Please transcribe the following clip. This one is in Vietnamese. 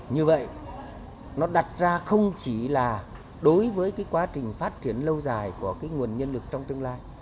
như vậy nó đặt ra không chỉ là đối với cái quá trình phát triển lâu dài của nguồn nhân lực trong tương lai